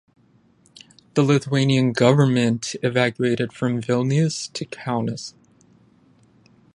The Lithuanian government evacuated from Vilnius to Kaunas.